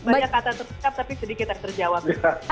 banyak kata tersingkap tapi sedikit yang terjawab